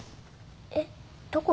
えっどこに？